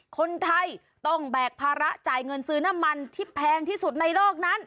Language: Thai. คนไทยต้องแบกภาระจ่ายเงินซื้อน้ำมันที่แพงที่สุดในโลกนั้น